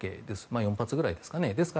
４発くらいですかね。